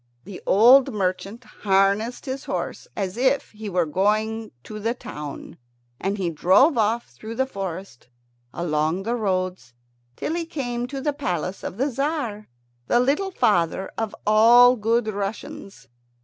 The old merchant harnessed his horse, as if he were going to the town; and he drove off through the forest, along the roads, till he came to the palace of the Tzar, the little father of all good Russians.